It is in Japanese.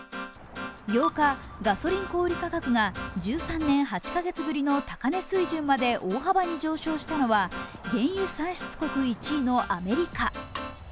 ８日、ガソリン小売価格が１３年８カ月ぶりの高値水準まで大幅に上昇したのは原油産出国１位のアメリカ。